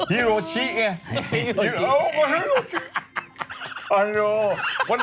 ไปถึง